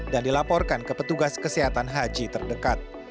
dan dilaporkan ke petugas kesehatan haji terdekat